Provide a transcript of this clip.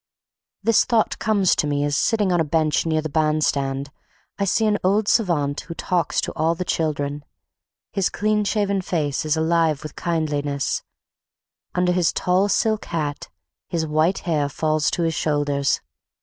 This thought comes to me as, sitting on a bench near the band stand, I see an old savant who talks to all the children. His clean shaven face is alive with kindliness; under his tall silk hat his white hair falls to his shoulders.